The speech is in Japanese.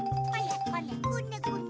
こねこね。